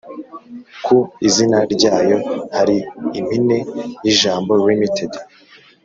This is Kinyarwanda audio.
ku izina ryayo hari impine y ijambo Ltd